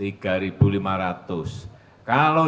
kalau dijual beras itu berapa